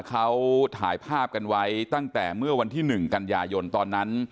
เขาถ่ายภาพกันไว้ตั้งแต่เมื่อวันที่๑กันยายนตอนนั้น